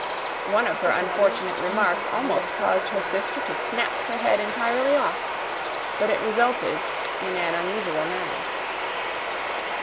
One of her unfortunate remarks almost caused her sister to snap her head entirely off, but it resulted in an unusual manner.